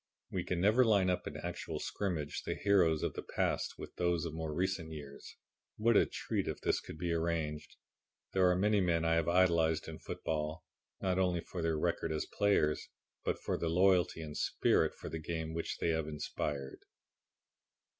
We can never line up in actual scrimmage the heroes of the past with those of more recent years. What a treat if this could be arranged! There are many men I have idolized in football, not only for their record as players, but for the loyalty and spirit for the game which they have inspired.